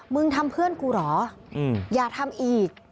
มึงทำเพื่อนกูเหรออย่าทำอีก